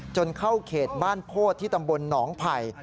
จนเข้าเขตบ้านโพธิที่ตำบลหนองไผ่